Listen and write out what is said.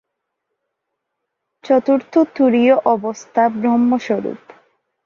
চতুর্থ তুরীয় অবস্থা ব্রহ্মস্বরূপ।